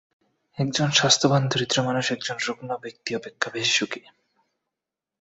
একজন স্বাস্থ্যবান দরিদ্র মানুষ একজন রুগ্ণ ধনী ব্যক্তি অপেক্ষা বেশি সুখী।